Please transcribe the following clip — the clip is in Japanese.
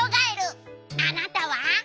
あなたは？」。